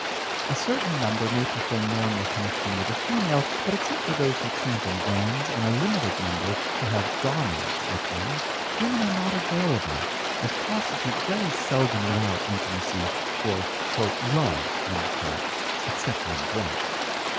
A certain number may prefer normal connection with a female, but except for those who tramp in vans and a limited number who have 'donnas' with them, women are not available, as prostitutes very seldom allow intimacy for 'love' except when drunk.